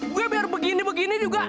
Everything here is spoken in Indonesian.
gue biar begini begini juga